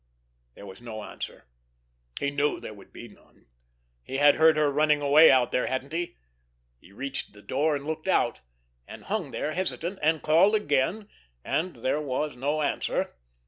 There was no answer. He knew there would be none. He had heard her running away out there, hadn't he? He reached the door, and looked out—and hung there hesitant—and called again—and there was no answer.